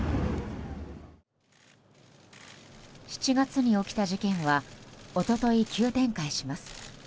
７月に起きた事件はおととい急展開します。